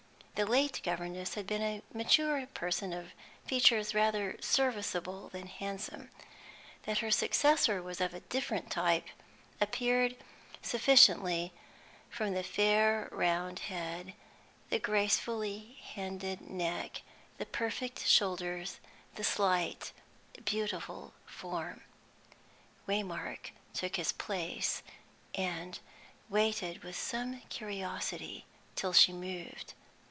The late governess had been a mature person of features rather serviceable than handsome; that her successor was of a different type appeared sufficiently from the fair round head, the gracefully bended neck, the perfect shoulders, the slight, beautiful form. Waymark took his place and waited with some curiosity till she moved.